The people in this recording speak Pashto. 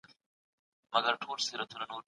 سياست به کله کله له زور څخه کار اخلي.